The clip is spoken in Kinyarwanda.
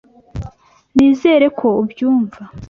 Nizere ko ubyumva